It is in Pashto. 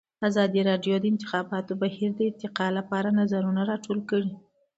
ازادي راډیو د د انتخاباتو بهیر د ارتقا لپاره نظرونه راټول کړي.